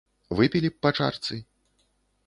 Выпілі б па чарцы.